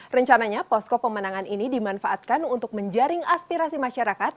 rencananya posko pemenangan ini dimanfaatkan untuk menjaring aspirasi masyarakat